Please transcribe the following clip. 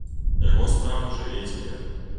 Яго справа жыве і цяпер.